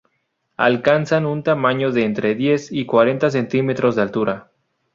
Alcanzan un tamaño de entre diez y cuarenta centímetros de altura.